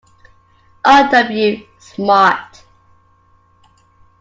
R. W. Smart.